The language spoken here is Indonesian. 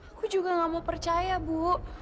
aku juga gak mau percaya bu